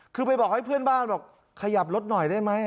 คือไปบอกให้เพื่อนบ้านบอกขยับรถหน่อยได้ไหม